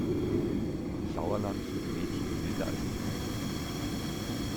Im Sauerland sind die Mädchen wilder als die Kühe.